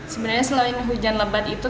sebenarnya selain hujan lebat itu